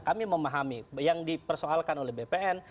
kami memahami yang dipersoalkan oleh bpn